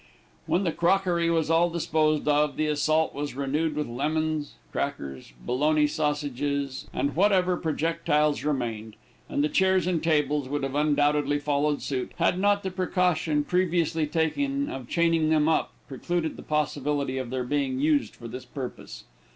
When the crockery was all disposed of, the assault was renewed with lemons, crackers, bologna sausages, and whatever projectiles remained, and the chairs and tables would have undoubtedly followed suit, had not the precaution previously taken, of chaining them up, precluded the possibility of their being used for this purpose.